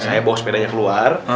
saya bawa sepedanya keluar